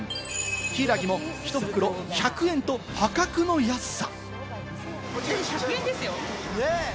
ヒイラギも１袋１００円と破格の安さ。